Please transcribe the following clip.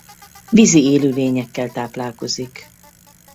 Vízi élőlényekkel táplálkozik.